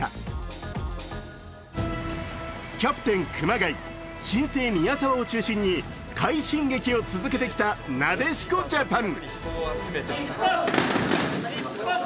キャプテン・熊谷、新星・宮澤を中心に快進撃を続けてきたなでしこジャパン。